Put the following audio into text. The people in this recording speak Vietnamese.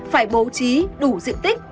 phải bố trí đủ diện tích